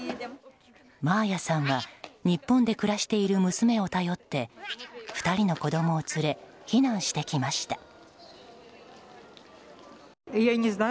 マーヤさんは日本で暮らしている娘を頼って２人の子供を連れ避難してきました。